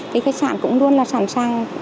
thì khách sạn cũng luôn là sẵn sàng